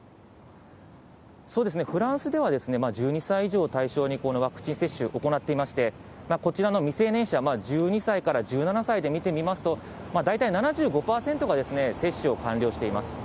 フランスでは、１２歳以上を対象にワクチン接種行っていまして、こちらの未成年者、１２歳から１７歳で見てみますと、大体７５％が接種を完了しています。